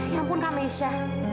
ya ampun kak misha